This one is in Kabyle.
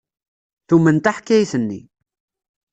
Tumen taḥkayt-nni.